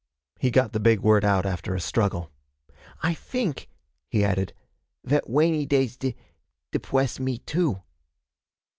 He got the big word out after a struggle. 'I fink,' he added, 'vat wainy days de depwess me too.'